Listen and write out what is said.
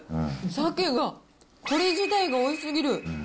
さけが、これ自体がおいしすぎる。